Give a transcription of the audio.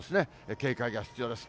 警戒が必要です。